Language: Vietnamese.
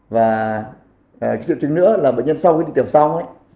và cái triệu chứng nữa là bệnh nhân sau khi đi tiểu xong ấy